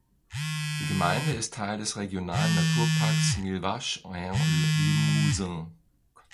Die Gemeinde ist Teil des Regionalen Naturparks Millevaches en Limousin.